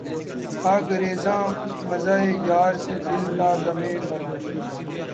تھا گریزاں مژہٴ یار سے دل تا دمِ مرگ